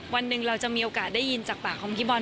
วันหนึ่งเราจะมีโอกาสได้ยินจากปากของพี่บอล